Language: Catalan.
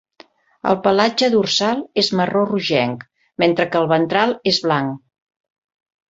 El pelatge dorsal és marró rogenc, mentre que el ventral és blanc.